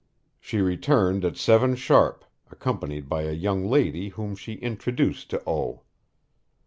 She returned at 7 sharp, accompanied by a young lady whom she introduced to O.